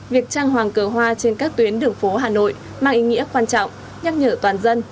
việc trăng hoàng cờ hoa trên các tuyến đường phố hà nội mang ý nghĩa quan trọng nhắc nhở toàn dân